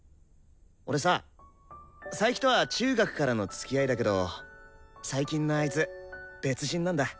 俺さ佐伯とは中学からのつきあいだけど最近のあいつ別人なんだ。